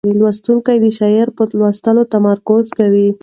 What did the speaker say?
لوستونکی د شعر په لوستلو تمرکز کوي.